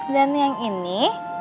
dan yang ini